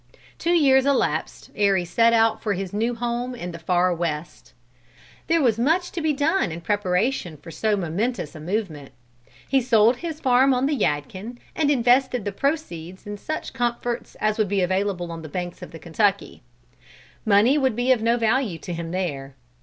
Two years elapsed ere he set out for his new home in the Far West. There was much to be done in preparation for so momentous a movement. He sold his farm on the Yadkin and invested the proceeds in such comforts as would be available on the banks of the Kentucky. Money would be of no value to him there.